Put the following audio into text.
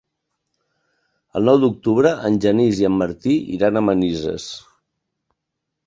El nou d'octubre en Genís i en Martí iran a Manises.